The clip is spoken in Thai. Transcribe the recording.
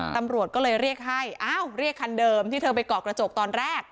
ตำรวจก็เลยเรียกให้อ้าวเรียกคันเดิมที่เธอไปเกาะกระจกตอนแรก